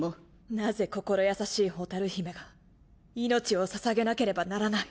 なぜ心優しい蛍姫が命をささげなければならない？